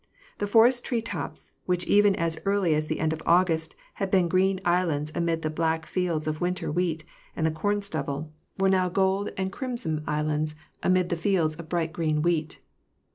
The forest tree tops, which even as early as the end of August had been green islands amid the . black fields of winter wheat and the corn stubble, were now i50 WAR AND PS ACS. golden and crimson islands amid the fields of bright green wheat.